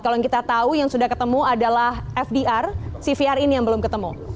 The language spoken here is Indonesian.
kalau yang kita tahu yang sudah ketemu adalah fdr cvr ini yang belum ketemu